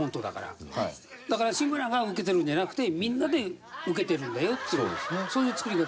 だから志村がウケてるんじゃなくてみんなでウケてるんだよっていうそういう作り方なのね。